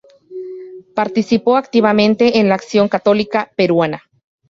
Participó activamente en la Acción Católica Peruana.